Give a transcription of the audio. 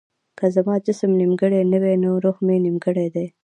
که زما جسم نيمګړی نه دی نو روح مې نيمګړی دی.